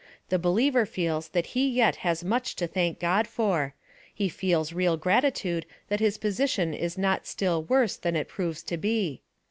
The believer feels that he yet has much to thank God for ; he feels real gratitude that his position is not still worse than it proves to be.